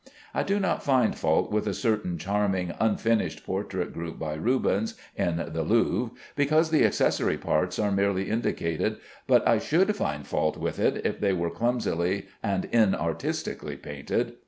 I do not find fault with a certain charming unfinished portrait group by Rubens in the Louvre, because the accessory parts are merely indicated, but I should find fault with it if they were clumsily and inartistically painted.